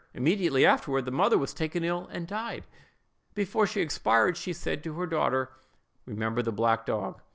Immediately afterward, the mother was taken ill and died. Before she expired, she said to her daughter, "Remember the black dog!"